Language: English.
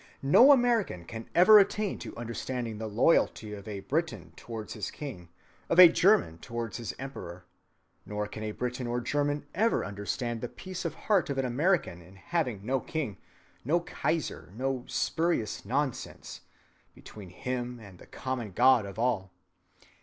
No American can ever attain to understanding the loyalty of a Briton towards his king, of a German towards his emperor; nor can a Briton or German ever understand the peace of heart of an American in having no king, no Kaiser, no spurious nonsense, between him and the common God of all.